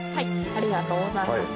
ありがとうございます。